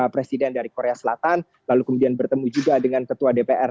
presiden dari korea selatan lalu kemudian bertemu juga dengan ketua dpr